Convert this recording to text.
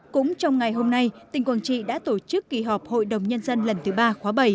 cũng trong ngày hôm nay tỉnh quảng trị đã tổ chức kỳ họp hội đồng nhân dân lần thứ ba khóa bảy